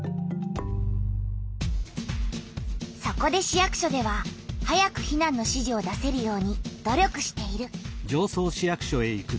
そこで市役所では早く避難の指示を出せるように努力している。